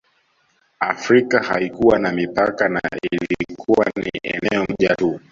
Afrika haikuwa na mipaka na ilikuwa ni eneo moja tu